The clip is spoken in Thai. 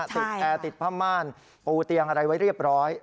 แอร์ติดผ้าม่านปูเตียงอะไรไว้เรียบร้อย